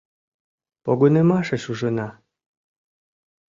Погынымашеш ужына.